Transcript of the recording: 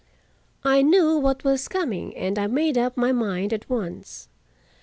I knew what was coming, and I made up my mind at once.